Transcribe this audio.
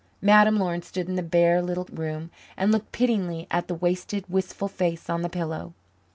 Madame Laurin stood in the bare little room and looked pityingly at the wasted, wistful face on the pillow.